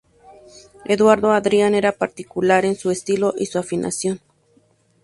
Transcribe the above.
Eduardo Adrián era particular en su estilo y su afinación.